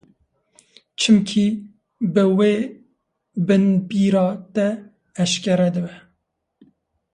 Çimkî bi wê binbîra te eşkere dibe.